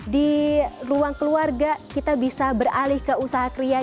di ruang keluarga kita bisa beralih ke usaha kria